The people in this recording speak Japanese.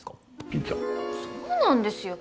そうなんですよ。